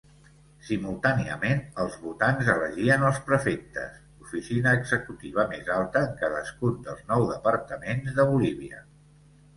Simultàniament els votants elegien els prefectes, l'oficina executiva més alta en cadascun dels nou departaments de Bolívia.